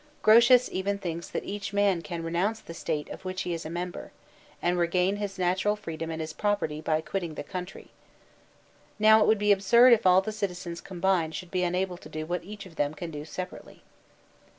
Grotius even thinks that each man can renounce the State of which he is a member, and regain his natural freedom and his property by quitting the country. ♦ Now it would be absurd if all the citizens combined should be unable to do what each of them can do separately.